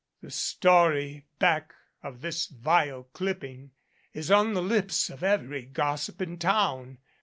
The story back of this vile clipping is on the lips of every gossip in town.